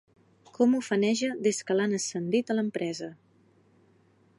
Com ufaneja des que l'han ascendit a l'empresa!